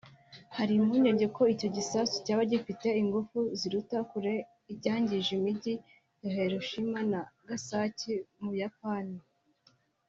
Hari impungenge ko icyo gisasu cyaba gifite ingufu ziruta kure icyangije imijyi ya Hiroshima na Nagasaki mu Buyapani